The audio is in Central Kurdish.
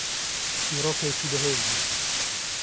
چیرۆکێکی بەهێز بوو